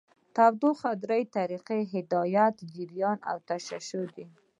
د تودوخې درې طریقې هدایت، جریان او تشعشع دي.